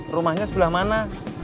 rumahnya sebelah mana